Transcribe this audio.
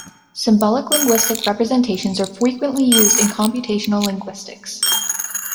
Symbolic linguistic representations are frequently used in computational linguistics.